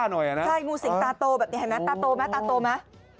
งูสายแบ๊วค่ะ